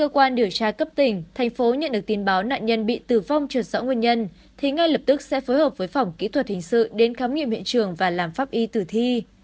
quan điều tra cấp tỉnh thành phố nhận được tin báo nạn nhân bị tử vong trượt sõ nguyên nhân thì ngay lập tức sẽ phối hợp với phòng kỹ thuật hình sự đến khám nghiệm hiện trường và làm pháp y tử thi